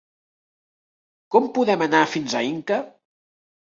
Com podem anar fins a Inca?